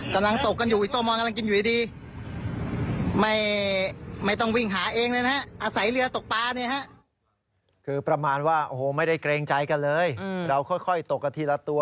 คือประมาณว่าโอ้โหไม่ได้เกรงใจกันเลยเราค่อยตกกันทีละตัว